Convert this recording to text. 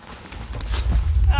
あ！